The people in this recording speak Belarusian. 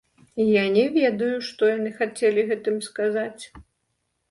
Я не ведаю, што яны хацелі гэтым сказаць.